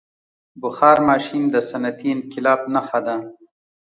• بخار ماشین د صنعتي انقلاب نښه ده.